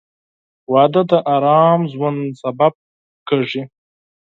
• واده د ارام ژوند سبب کېږي.